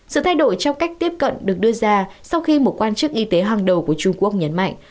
sự thay đổi trong cách tiếp cận được đưa ra sau khi một quan chức y tế hàng đầu của trung quốc nhấn mạnh